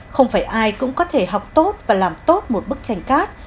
không phải ai cũng có thể học tốt và làm tốt một bức tranh cát